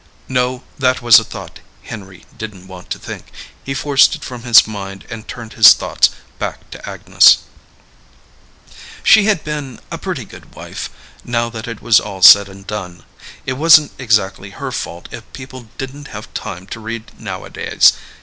No, that was a thought Henry didn't want to think, he forced it from his mind and turned his thoughts back to Agnes. She had been a pretty good wife, now that it was all said and done. It wasn't exactly her fault if people didn't have time to read nowadays.